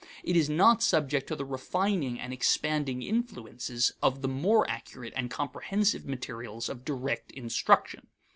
It is not subject to the refining and expanding influences of the more accurate and comprehensive material of direct instruction.